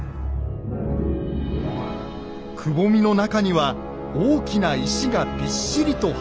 くぼみの中には大きな石がびっしりと配置されていました。